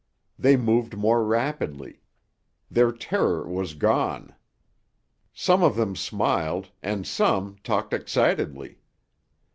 They moved more rapidly. Their terror was gone. Some of them smiled, and some talked excitedly.